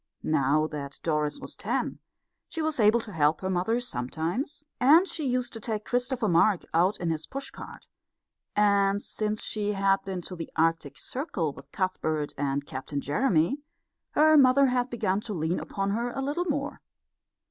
Now that Doris was ten she was able to help her mother sometimes, and she used to take Christopher Mark out in his push cart; and since she had been to the Arctic Circle with Cuthbert and Captain Jeremy her mother had begun to lean upon her a little more.